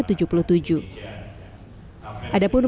ada pun menteri luar negeri retno marsudi